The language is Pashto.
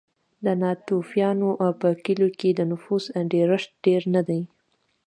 د ناتوفیانو په کلیو کې د نفوسو ډېرښت ډېر نه دی.